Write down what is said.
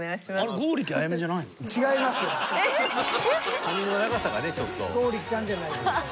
剛力ちゃんじゃないです。